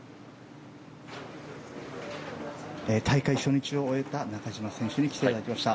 大会初日を終えた中島選手に来ていただきました。